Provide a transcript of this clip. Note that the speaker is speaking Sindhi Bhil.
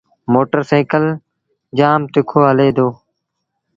موٽر سآئيٚڪل جآم تکو هلي دو۔